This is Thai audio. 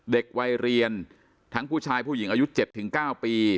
เด็กวัยเรียนทั้งผู้ชายผู้หญิงอายุ๗๙ปี